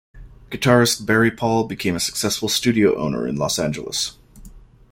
Guitarist Barry Paul became a successful studio owner in Los Angeles.